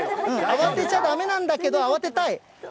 慌てちゃだめなんだけど、慌てたい！